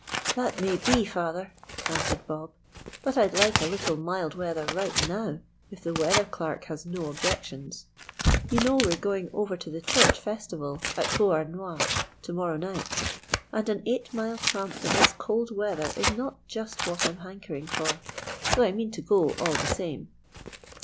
"That may be, father," answered Bob, "but I'd like a little mild weather right now if the weather clerk has no objections. You know we're going over to the church festival at Beauharnois to morrow night; and an eight mile tramp in this cold weather is not just what I'm hankering for—though I mean to go all the same."